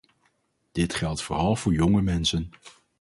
Dit geldt vooral voor jonge mensen.